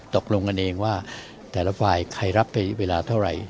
ตกลงกันเองว่าแต่ละฝ่ายใครรับไปเวลาเท่าไหร่